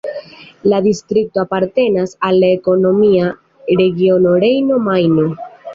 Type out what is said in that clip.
La distrikto apartenas al la ekonomia regiono Rejno-Majno.